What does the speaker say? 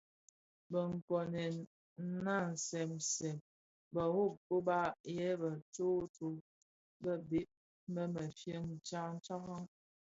Bë nkoomèn nnabsèn nabsèn bero kōba yè bë tsōō bōō bi bhee i mefye tsaň tsaňraň.